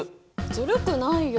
ずるくないよ。